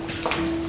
aku mau ke sana